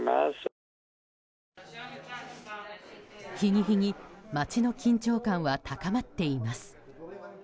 日に日に街の緊張感は高まっています。